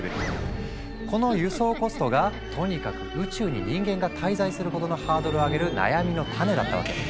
この輸送コストがとにかく宇宙に人間が滞在することのハードルを上げる悩みの種だったわけ。